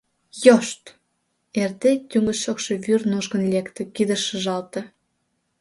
«Йошт!» — эрде тӱҥ гыч шокшо вӱр нушкын лекте, кидыш шыжалте.